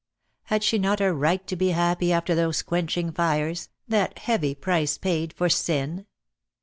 Had she not a right to be happy after those quenching fires, that heavy price paid for sin?